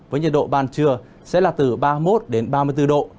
với nhiệt độ ban trưa sẽ là từ ba mươi một đến ba mươi bốn độ